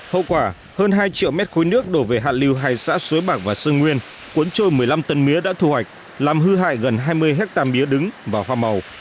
hậu quả hơn hai triệu mét khối nước đổ về hạ lưu hai xã suối bạc và sơn nguyên cuốn trôi một mươi năm tân mía đã thu hoạch làm hư hại gần hai mươi hectare mía đứng và hoa màu